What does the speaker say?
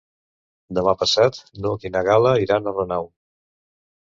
Demà passat n'Hug i na Gal·la iran a Renau.